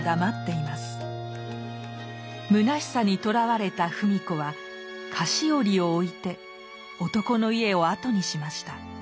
むなしさにとらわれた芙美子は菓子折を置いて男の家を後にしました。